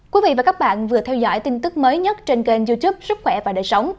quý vị và các bạn vừa theo dõi tin tức mới nhất trên kênh youtube sức khỏe và đời sống